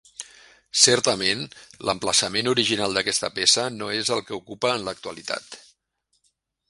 Certament, l'emplaçament original d'aquesta peça no és el que ocupa en l'actualitat.